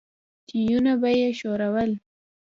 تيونه به يې وښورول.